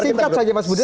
singkat saja mas budiman